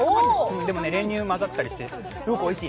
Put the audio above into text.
でもね、練乳混ざったりして、おいしい。